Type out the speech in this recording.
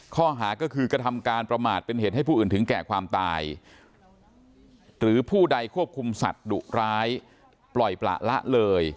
ข้อหาก็คือกระทำการประมาทเป็นเหตุให้ผู้อื่นถึงแก่ความตายหรือผู้ใดควบคุมสัตว์ดุร้ายปล่อยประละเลย